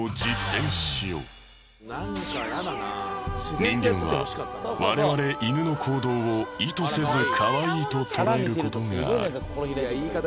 人間は我々犬の行動を意図せずかわいいと捉える事がある。